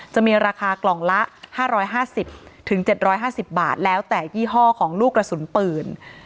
จะมีราคากล่องละ๕๕๐๗๕๐บาทแล้วแต่ยี่ห้อของลูกกระสุนปืน